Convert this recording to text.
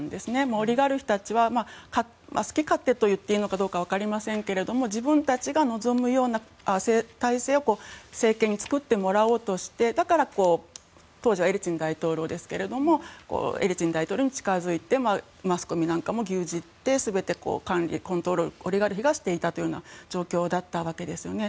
オリガルヒたちは好き勝手といっていいか分かりませんが自分たちが望むような体制を政権に作ってもらおうとしてだから当時はエリツィン大統領ですけどエリツィン大統領に近づいてマスコミなんかも牛耳って全てをコントロールオリガルヒがしていたという状況だったわけですね。